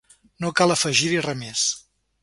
No cal afegir-hi res més.